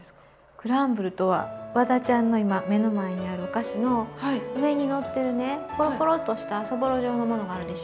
クランブルとはワダちゃんの今目の前にあるお菓子の上にのってるねポロポロッとしたそぼろ状のものがあるでしょう。